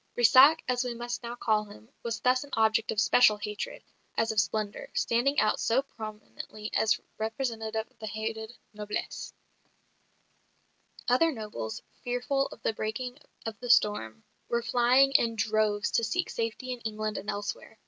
Brissac (as we must now call him) was thus an object of special hatred, as of splendour, standing out so prominently as representative of the hated noblesse. Other nobles, fearful of the breaking of the storm, were flying in droves to seek safety in England and elsewhere.